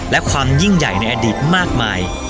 และความยิ่งใหญ่ในอดีตมากมาย